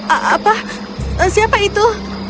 eh apa siapa itu